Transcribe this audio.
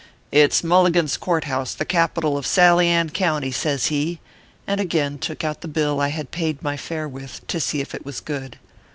"It s Mul ligan s Court House, the Capital of Sally Ann County," says he, and again took out the bill I had paid my fare with to see if it was good.